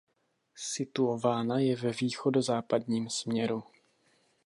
Situována je ve východo–západním směru.